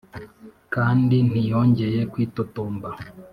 kandi ntiyongeye kwitotomba.